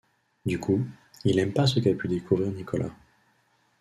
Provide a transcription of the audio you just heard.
Du coup il aime pas ce qu'a pu d'ecouvrir Nicolas.